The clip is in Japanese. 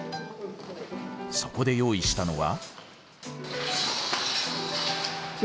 そこで用意したのは。